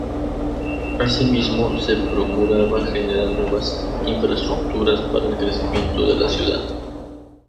Asimismo se procuraba generar nuevas infraestructuras para el crecimiento de la ciudad.